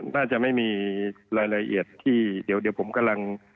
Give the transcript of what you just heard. น่าจะไม่มีรายละเอียดที่เดี๋ยวผมกำลัง